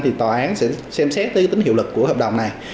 thì tòa án sẽ xem xét tư tính hiệu lực của hợp đồng này